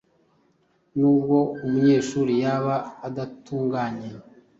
Nubwo umunyeshuri yaba adatunganye,